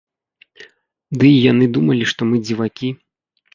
Ды й яны думалі, што мы дзівакі.